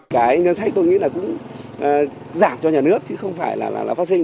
cái ngân sách tôi nghĩ là cũng giảm cho nhà nước chứ không phải là phát sinh